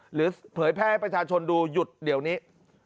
เผยแพร่ให้ประชาชนดูหยุดเดี๋ยวนี้